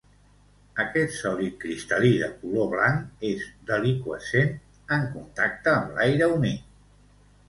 Aquest sòlid cristal·lí de color blanc és deliqüescent en contacte amb aire humit.